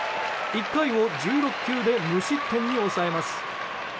１回を１６球で無失点に抑えます。